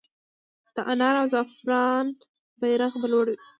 د انار او زعفرانو بیرغ به لوړ وي؟